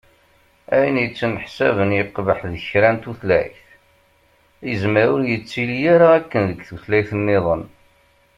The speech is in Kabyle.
Ayen ittneḥsaben yeqbeḥ di kra n tutlayt, yezmer ur yettili ara akken deg tutlayt-nniḍen.